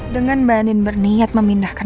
dengan bandin berniat memindahkan